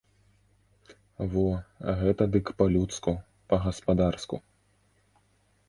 Во, гэта дык па-людску, па-гаспадарску.